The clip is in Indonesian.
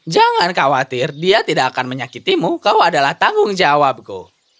jangan khawatir dia tidak akan menyakitimu kau adalah tanggung jawabku